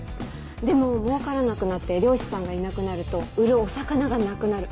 でも儲からなくなって漁師さんがいなくなると売るお魚がなくなる。